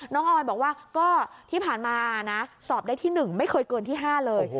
ออยบอกว่าก็ที่ผ่านมานะสอบได้ที่๑ไม่เคยเกินที่๕เลย